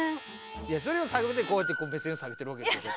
いやそれを探るべくこうやって目線を下げてるわけなんですけど。